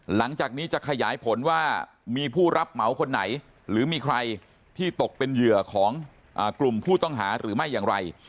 หลังจากนี้จะขยายผลว่ามีผู้รับเหมาคนไหนหรือมีใครที่ตกเป็นเหยื่อของกลุ่มผู้ต้องหาหรือไม่อย่างไร